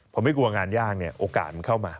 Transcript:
ผมไม่กลัวงานยากเนี่ยโอกาสมันเข้ามา